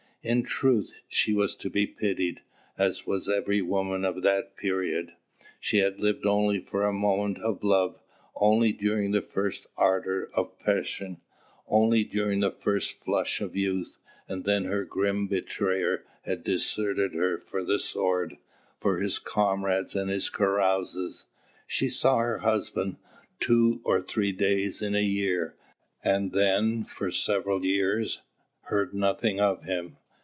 In truth, she was to be pitied, as was every woman of that period. She had lived only for a moment of love, only during the first ardour of passion, only during the first flush of youth; and then her grim betrayer had deserted her for the sword, for his comrades and his carouses. She saw her husband two or three days in a year, and then, for several years, heard nothing of him.